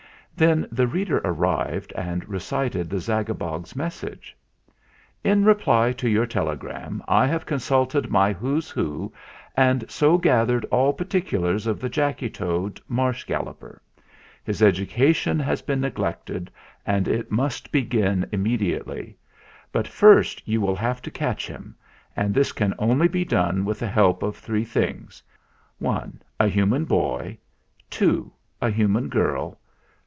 Then the reader arrived and recited the Zagabog's message. "In reply to your telegram, I have consulted my 'Who's Who,' and so gathered all particu lars of the Jacky Toad, Marsh Galloper. His education has been neglected, and it must begin immediately. But first you will have to catch him, and this can only be done with the help of three things : "i. A human boy. "2. A human girl.